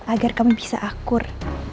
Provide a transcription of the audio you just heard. agar kami bisa akur